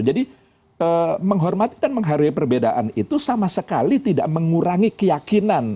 jadi menghormati dan menghargai perbedaan itu sama sekali tidak mengurangi keyakinan